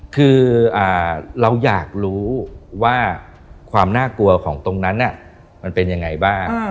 คือเราอยากรู้ว่าความน่ากลัวของตรงนั้นมันเป็นยังไงบ้าง